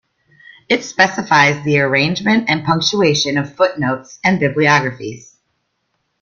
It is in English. It specifies the arrangement and punctuation of footnotes and bibliographies.